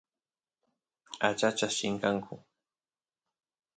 achachas chinkanku